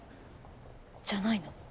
じゃないな。